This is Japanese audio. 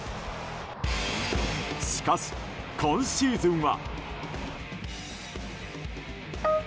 しかし、今シーズンは。